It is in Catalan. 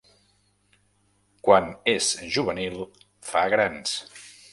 Quan és juvenil fa grans.